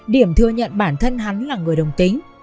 điểm thừa nhận bản thân hắn là người đồng tính